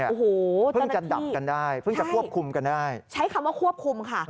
โอ้โฮตั้งแต่ที่ใช่ใช่ใช้คำว่าควบคุมค่ะ